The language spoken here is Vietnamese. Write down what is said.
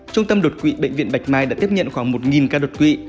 trung tâm đột quỵ bệnh viện bạch mai đã tiếp nhận khoảng một ca đột quỵ